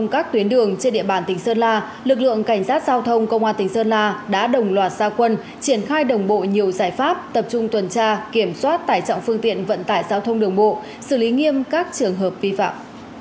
cảnh sát giao thông công an tỉnh sơn la đã đồng loạt xa quân triển khai đồng bộ nhiều giải pháp tập trung tuần tra kiểm soát tải trọng phương tiện vận tải giao thông đường bộ xử lý nghiêm các trường hợp vi phạm